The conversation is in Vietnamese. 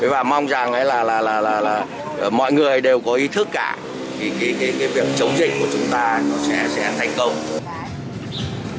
và mong rằng mọi người đều có ý thức cả việc chống dịch của chúng ta sẽ thành công